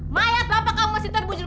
mayat bapak kamu masih terbunjur